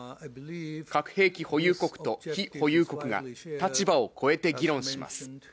核兵器保有国と非保有国が、立場を超えて議論します。